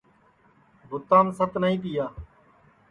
بُتام ست نائی تیا